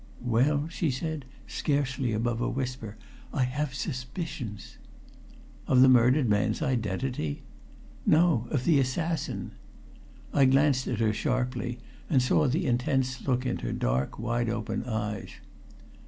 "Well," she said, scarcely above a whisper, "I have suspicions." "Of the murdered man's identity?" "No. Of the assassin." I glanced at her sharply and saw the intense look in her dark, wide open eyes.